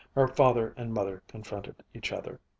Her father and mother confronted each other.